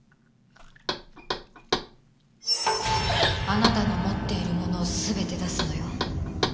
あなたの持っているものを全て出すのよ。